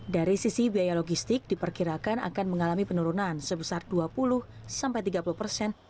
dari sisi biaya logistik diperkirakan akan mengalami penurunan sebesar dua puluh sampai tiga puluh persen